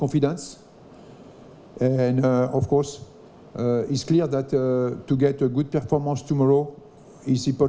dan itu yang kita harapkan pertandingan kuat di depan peluang yang besar